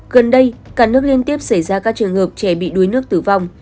gần đây cả nước liên tiếp xảy ra các trường hợp trẻ bị đuối nước tử vong